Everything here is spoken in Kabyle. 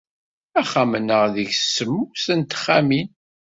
Axxam-nneɣ deg-s semmus n texxamin.